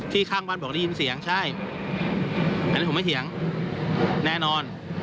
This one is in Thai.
ข้างบ้านบอกได้ยินเสียงใช่อันนี้ผมไม่เถียงแน่นอน